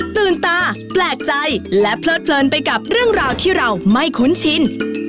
ตื่นตาแปลกใจและเพลิดเพลินไปกับเรื่องราวที่เราไม่คุ้นชิน